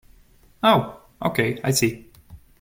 Oh okay, I see.